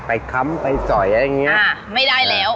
ค้ำไปสอยอะไรอย่างเงี้ยไม่ได้แล้ว